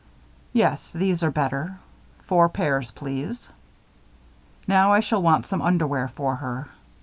Yes, these are better. Four pairs, please. "Now I shall want some underwear for her.